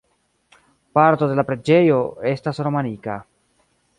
Parto de la preĝejo estas romanika.